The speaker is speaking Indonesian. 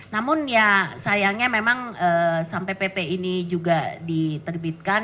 namun ya sayangnya memang sampai pp ini juga diterbitkan